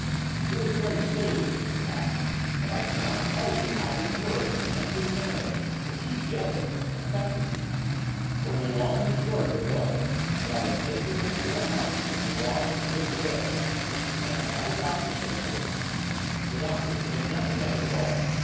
It was very silly of me, perhaps, but I cannot tell you how his words, and his manner the two together affected me. Well, the long and the short of it was, that I had him taken into the house, and washed, and put to bed, and I had the doctor sent for. The doctor could make nothing of it at all.